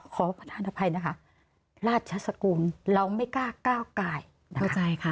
ขอพัฒนภัยนะคะราชสกุลเราไม่กล้าก้าวกลาย